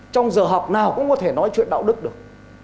trong giờ học nào cũng có thể nói chuyện đạo đức được